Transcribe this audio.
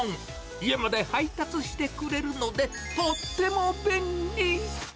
家まで配達してくれるので、とっても便利。